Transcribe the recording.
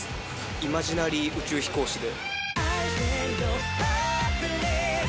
イマジナリー宇宙飛行士で。